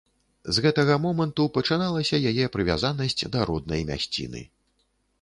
З гэтага моманту пачыналася яе прывязанасць да роднай мясціны.